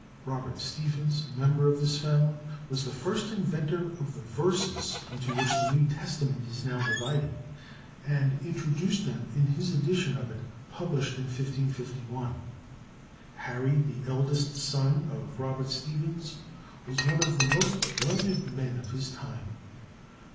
Robert Stephens, a member of this family, was the first inventor of the verses into which the New Testament is now divided, and introduced them in his edition of it published in 1551. Harry, the eldest son of Robert Stephens, was one of the most learned men of his time.